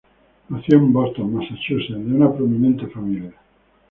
Nació en Boston, Massachusetts de una prominente familia.